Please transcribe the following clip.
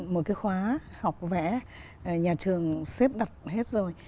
một cái khóa học vẽ nhà trường xếp đặt hết rồi